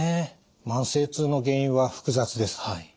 慢性痛の原因は複雑です。